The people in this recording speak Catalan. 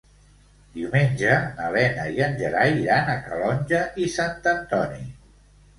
Diumenge na Lena i en Gerai iran a Calonge i Sant Antoni.